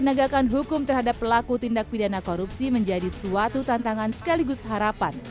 penegakan hukum terhadap pelaku tindak pidana korupsi menjadi suatu tantangan sekaligus harapan